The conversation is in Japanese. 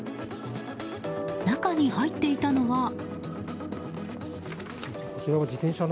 中に入っていたのは。